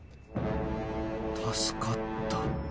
助かった